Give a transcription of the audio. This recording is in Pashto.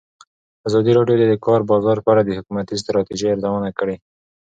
ازادي راډیو د د کار بازار په اړه د حکومتي ستراتیژۍ ارزونه کړې.